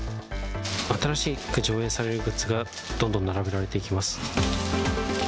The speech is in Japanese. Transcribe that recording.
新しく上映されるグッズが、どんどん並べられていきます。